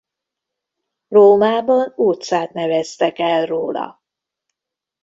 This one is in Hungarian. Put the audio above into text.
Rómában utcát neveztek el róla.